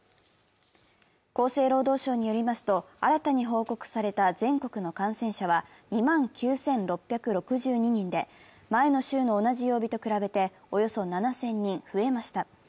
厚生労働省によりますと、新たに報告された全国の感染者は２万９６６２人で前の週の同じ曜日と比べておよそ７０００人増えました。